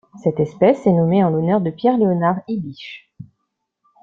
Cette espèce est nommée en l'honneur de Pierre Leonhard Ibisch.